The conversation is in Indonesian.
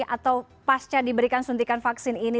atau pasca diberikan suntikan vaksin ini